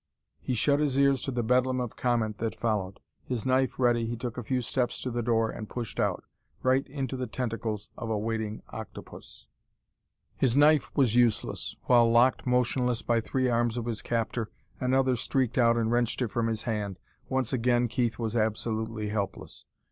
He shut his ears to the bedlam of comment that followed. His knife ready, he took a few steps to the door and pushed out right into the tentacles of a waiting octopus. His knife was useless. While locked motionless by three arms of his captor, another streaked out and wrenched it from his hand. Once again Keith was absolutely helpless.